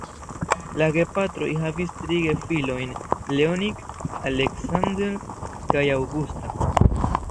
La gepatroj havis tri gefilojn: Leonid, "Aleksandr" kaj "Aŭgusta".